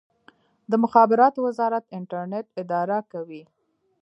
د مخابراتو وزارت انټرنیټ اداره کوي